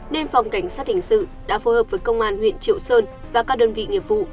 nên phòng cảnh sát hình sự đã phối hợp với công an huyện triệu sơn và các đơn vị nghiệp vụ